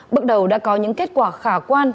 bước đầu đã có những kết quả khả quan